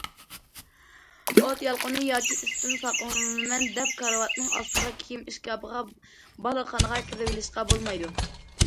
ئوت يالقۇنى ياكى ئىستىن ساقلىنىمەن دەپ كارىۋاتنىڭ ئاستىغا، كىيىم ئىشكاپىغا، بالىخانىغا كىرىۋېلىشقا بولمايدۇ.